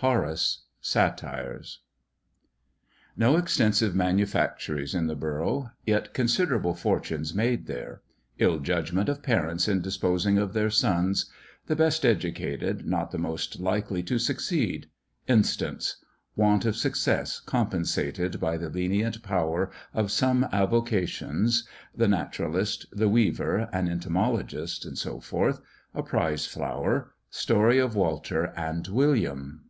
HORACE, Satires. TRADES. No extensive manufactories in the Borough; yet considerable Fortunes made there Ill Judgment of Parents in disposing of their Sons The best educated not the most likely to succeed Instance Want of Success compensated by the lenient Power of some Avocations The Naturalist The Weaver an Entomologist, &c. A Prize Flower Story of Walter and William.